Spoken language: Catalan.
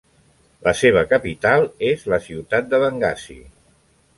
La seva capital és la ciutat de Bengasi.